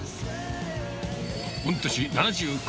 御年７９。